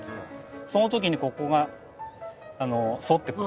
その時にここが反ってくる。